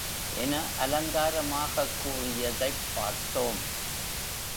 என அலங்காரமாகக் கூறியதைப் பார்த்தோம்.